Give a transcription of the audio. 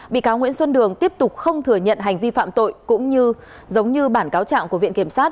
bị cáo nguyễn xuân đường tiếp tục không thừa nhận hành vi phạm tội cũng như giống như bản cáo trạng của viện kiểm sát